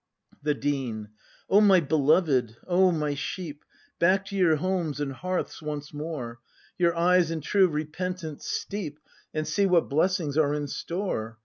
The Dean. O my beloved! O my sheep! Back to your homes and hearths once more; Your eyes in true repentance steep, And see what blessings are in store.